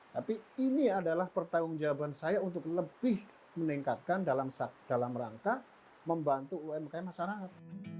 tapi ini adalah pertanggung jawaban saya untuk lebih meningkatkan dalam rangka membantu umkm masyarakat